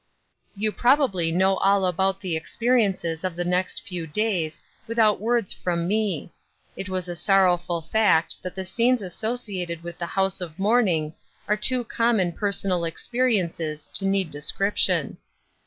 You probably know all about the experiences of the next few days without words from me. It is a sorrowful fact that the scenes associated with the house of mourning are too com mon personal experiences to need description.